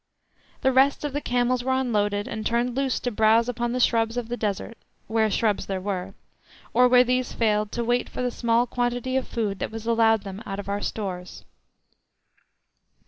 The rest of the camels were unloaded and turned loose to browse upon the shrubs of the desert, where shrubs there were, or where these failed, to wait for the small quantity of food that was allowed them out of our stores.